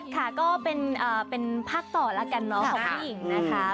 ค่ะก็เป็นภาคต่อแล้วกันเนาะของผู้หญิงนะคะ